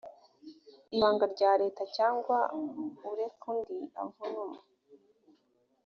ibanga rya leta cyangwa ureka undi avunmwe